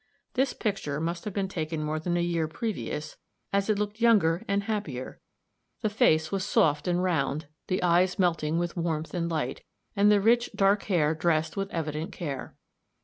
This picture must have been taken more than a year previous, as it looked younger and happier; the face was soft and round, the eyes melting with warmth and light, and the rich, dark hair dressed with evident care.